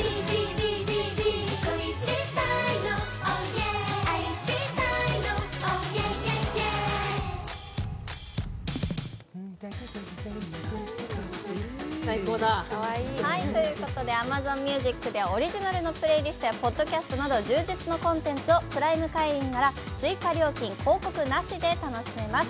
「十勝のむヨーグルト」ということでＡｍａｚｏｎＭｕｓｉｃでオリジナルのプレイリストやポッドキャストなど充実のコンテンツをプライム会員なら追加料金、広告なしで楽しめます。